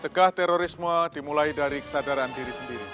cegah terorisme dimulai dari kesadaran diri sendiri